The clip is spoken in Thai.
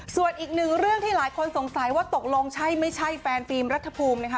ส่วนอีกหนึ่งเรื่องที่หลายคนสงสัยว่าตกลงใช่ไม่ใช่แฟนฟิล์มรัฐภูมินะคะ